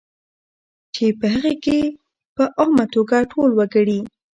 چې په هغې کې په عامه توګه ټول وګړي